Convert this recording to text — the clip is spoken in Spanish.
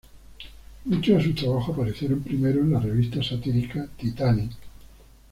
Muchos de sus trabajos aparecieron primero en la revista satírica "Titanic".